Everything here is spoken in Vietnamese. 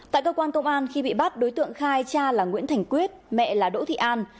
tại cơ quan công an khi bị bắt đối tượng khai cha là nguyễn thành quyết mẹ là đỗ thị an